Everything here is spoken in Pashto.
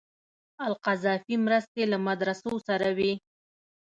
القذافي مرستې له مدرسو سره وې.